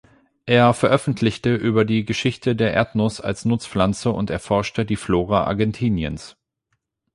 Er veröffentlichte über die Geschichte der Erdnuss als Nutzpflanze und erforschte die Flora Argentiniens.